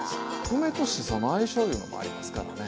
梅としその相性いうのもありますからね。